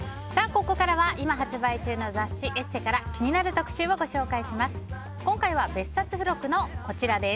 ここからは、今発売中の雑誌「ＥＳＳＥ」から気になる特集をご紹介します。